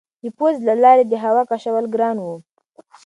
د پوزې له لارې یې د هوا کشول ګران وو.